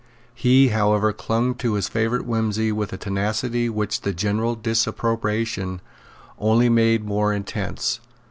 He however clung to his favourite whimsy with a tenacity which the general disapprobation only made more intense.